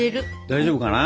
大丈夫かな？